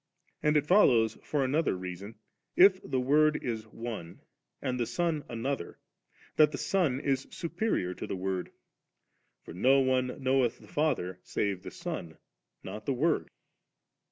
And it follows for toother reason, if the Word is one, and the Son another, that the Son is superior to the Word; for 'no one knoweth the Father save the Son'/ not the Word.